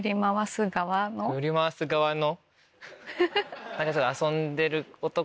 振り回す側の。